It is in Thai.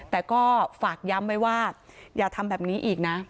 แต่ก็ฝากย้ำไว้ว่าอย่าทำแบบนี้อีกนะ